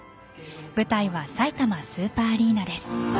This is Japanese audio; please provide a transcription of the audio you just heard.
舞台はさいたまスーパーアリーナです。